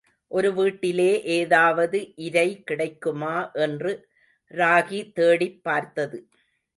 ஒரு வீட்டிலே, ஏதாவது இரை கிடைக்குமா என்று ராகி தேடிப் பார்த்தது.